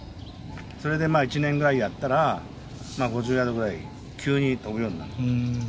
それで１年ぐらいやったら、５０ヤードぐらい、急に飛ぶようになった。